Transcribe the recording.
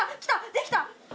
できた。